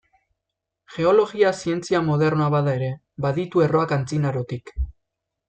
Geologia zientzia modernoa bada ere, baditu erroak Antzinarotik.